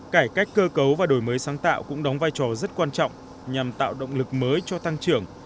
cải cách cơ cấu và đổi mới sáng tạo cũng đóng vai trò rất quan trọng nhằm tạo động lực mới cho tăng trưởng